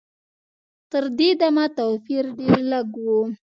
تر دې دمه توپیر ډېر لږ و.